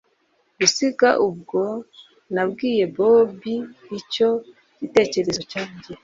gusiga! ubwo nabwiye bobi icyo gitekerezo cyanjye